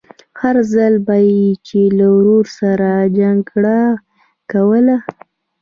هر ځل به يې چې له ورور سره جګړه کوله.